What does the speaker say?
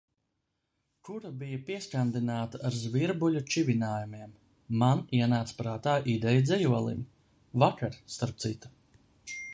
Kura bija pieskandināta ar zvirbuļu čivinājumiem, man ienāca prātā ideja dzejolim. Vakar, starp citu.